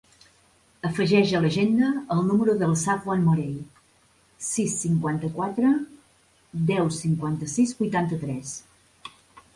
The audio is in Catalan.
Afegeix a l'agenda el número del Safwan Morey: sis, cinquanta-quatre, deu, cinquanta-sis, vuitanta-tres.